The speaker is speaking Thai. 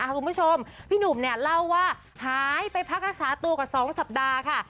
คุณผู้ชมพี่หนุ่มเนี่ยเล่าว่าหายไปพักรักษาตัวกว่า๒สัปดาห์ค่ะ